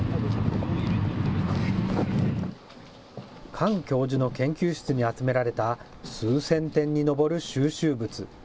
カン教授の研究室に集められた数千点に上る収集物。